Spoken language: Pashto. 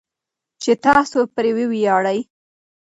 چې تاسو پرې وویاړئ.